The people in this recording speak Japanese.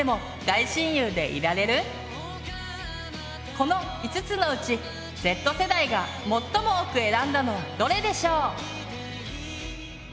この５つのうちＺ世代が最も多く選んだのはどれでしょう？